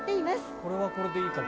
これはこれでいい。